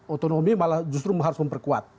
otonomi malah justru harus memperkuat